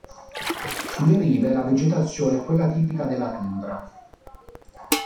Sulle rive la vegetazione è quella tipica della tundra.